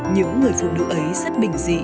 những người phụ nữ ấy rất bình dị